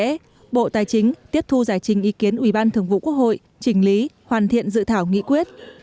sau đó bộ tài chính tiếp thu giải trình ý kiến ubthqh chỉnh lý hoàn thiện dự thảo nghị quyết